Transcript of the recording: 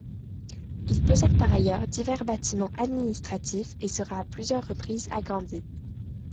Il possède par ailleurs divers bâtiments administratifs et sera à plusieurs reprises agrandi.